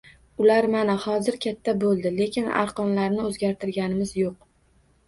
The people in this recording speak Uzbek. Ular mana hozir katta boʻldi, lekin arqonlarni oʻzgartirganimiz yoʻq